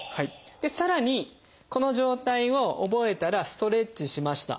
でさらにこの状態を覚えたらストレッチしました。